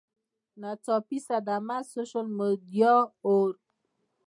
ناڅاپي صدمه ، سوشل میډیا اوور